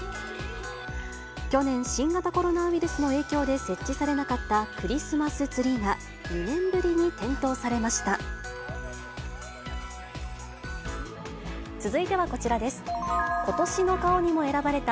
去年、新型コロナウイルスの影響で設置されなかったクリスマスツリーが、２年ぶりに点灯されました。